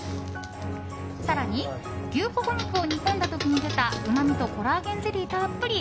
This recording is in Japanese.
更に、牛ほほ肉を煮込んだ時に出たうまみとコラーゲンゼリーたっぷり！